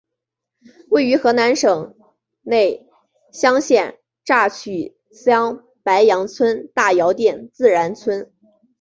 位于河南省内乡县乍曲乡白杨村大窑店自然村。